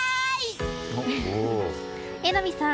榎並さん